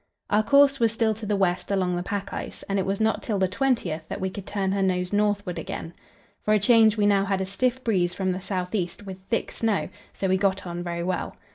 Our course was still to the west along the pack ice, and it was not till the 20th that we could turn her nose northward again. For a change we now had a stiff breeze from the south east, with thick snow, so we got on very well.